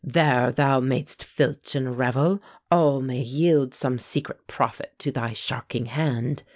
There thou mayst filch and revel; all may yield Some secret profit to thy sharking hand.